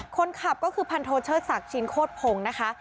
คนขับก็คือพันโทเชิดศักดิ์ชินโคตรพงศ์นะคะ